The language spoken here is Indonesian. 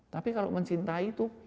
tapi kalau mencintai itu